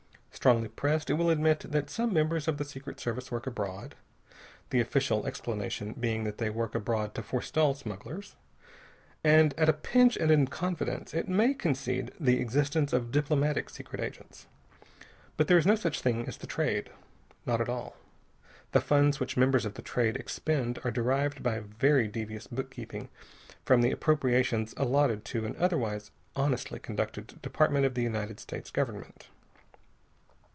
Strongly pressed, it will admit that some members of the Secret Service work abroad, the official explanation being that they work abroad to forestall smugglers. And at a pinch, and in confidence, it may concede the existence of diplomatic secret agents. But there is no such thing as the Trade. Not at all. The funds which members of the Trade expend are derived by very devious bookkeeping from the appropriations allotted to an otherwise honestly conducted Department of the United States Government.